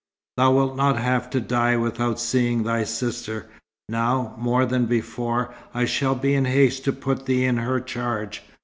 "Thou wilt not have to die without seeing thy sister. Now, more than before, I shall be in haste to put thee in her charge.